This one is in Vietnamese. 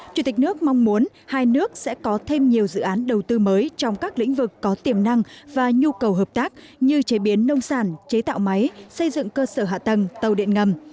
chủ tịch nước mong muốn hai nước sẽ có thêm nhiều dự án đầu tư mới trong các lĩnh vực có tiềm năng và nhu cầu hợp tác như chế biến nông sản chế tạo máy xây dựng cơ sở hạ tầng tàu điện ngầm